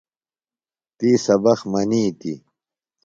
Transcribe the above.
تی سبق منِیتیۡ۔